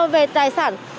về tài sản